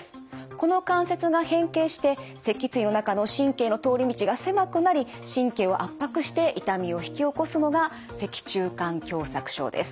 この関節が変形して脊椎の中の神経の通り道が狭くなり神経を圧迫して痛みを引き起こすのが脊柱管狭窄症です。